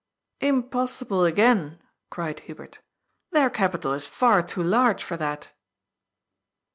" Impossible again," cried Hubert ;" their capital is far too large for that